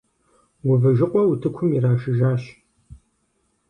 Увыжыкъуэ утыкум ирашыжащ.